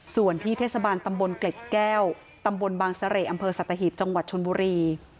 ส่วนที่เทศบาลตำบลเกล็ดแก้วตำบลบางเสร่อำเภอสัตหีบจังหวัดชนบุรี